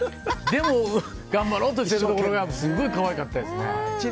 でも頑張ろうとしてるところがすごい可愛かったですね。